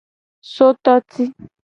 Sototi.